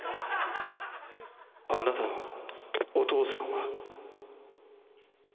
「あなたのお父さんは」。